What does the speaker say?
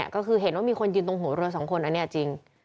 ก็คือเห็นว่ามีคนยืนตรงหัวเรือสองคนอันนี้จริง